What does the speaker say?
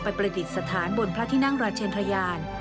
ประดิษฐานบนพระที่นั่งราชเชนทรยาน